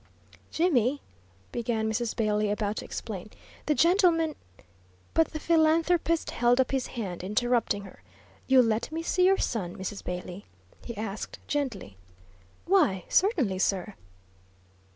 "Jimmy," began Mrs. Bailey, about to explain, "the gentleman " But the philanthropist held up his hand, interrupting her. "You'll let me see your son, Mrs. Bailey?" he asked, gently. "Why, certainly, sir."